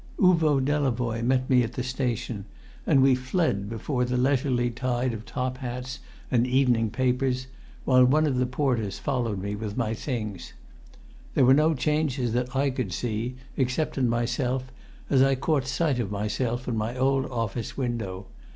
Uvo Delavoye met me at the station, and we fled before the leisurely tide of top hats and evening papers, while one of the porters followed with my things. There were no changes that I could see, except in myself as I caught sight of myself in my old office window.